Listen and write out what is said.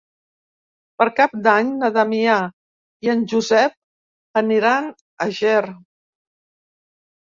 Per Cap d'Any na Damià i en Josep aniran a Ger.